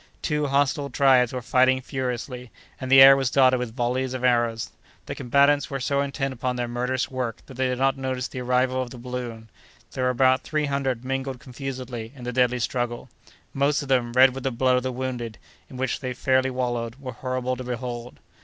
Two hostile tribes were fighting furiously, and the air was dotted with volleys of arrows. The combatants were so intent upon their murderous work that they did not notice the arrival of the balloon; there were about three hundred mingled confusedly in the deadly struggle: most of them, red with the blood of the wounded, in which they fairly wallowed, were horrible to behold.